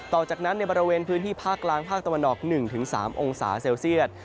ต่อจากนั้นในบริเวณพื้นที่ภาคกลางภาคตะวันออก๑๓องศาเซลเซียต